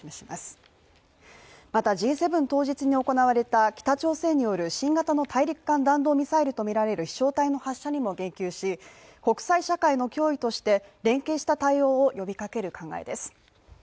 またＧ７当日に行われた北朝鮮による新型の大陸間弾道ミサイルとみられる飛しょう体の発射にも言及し国際社会の脅威として連携した対応を呼びかける考えです。